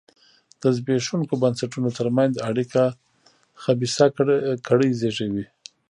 د زبېښونکو بنسټونو ترمنځ اړیکه خبیثه کړۍ زېږوي.